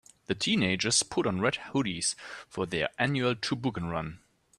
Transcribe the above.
The teenagers put on red hoodies for their annual toboggan run.